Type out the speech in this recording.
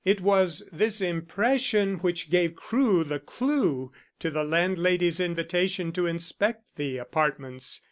It was this impression which gave Crewe the clue to the landlady's invitation to inspect the apartments.